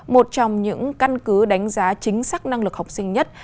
một trong những căn cứ đánh giá chính xác năng lực học sinh nhất